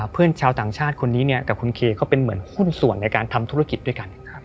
เพื่อนชาวต่างชาติคนนี้กับคุณเคก็เป็นเหมือนหุ้นส่วนในการทำธุรกิจด้วยกัน